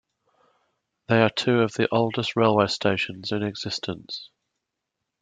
They are two of the oldest railway stations in existence.